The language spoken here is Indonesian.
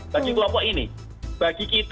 bagi kelompok ini